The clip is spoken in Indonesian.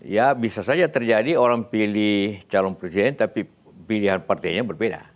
ya bisa saja terjadi orang pilih calon presiden tapi pilihan partainya berbeda